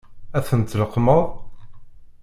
Ad ten-tleqqmeḍ?